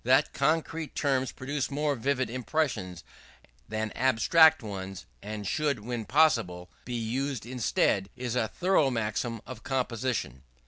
That concrete terms produce more vivid impressions than abstract ones, and should, when possible, be used instead, is a thorough maxim of composition.